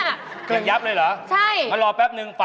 ยังยับเลยเหรอมารอแป๊บนึงใช่